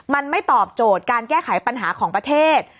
มันไม่ตอบโจทย์การแก้ไขปัญหาของประเทศ